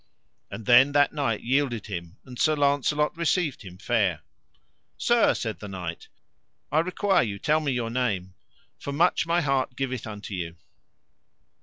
And then that knight yielded him, and Sir Launcelot received him fair. Sir, said the knight, I require thee tell me your name, for much my heart giveth unto you.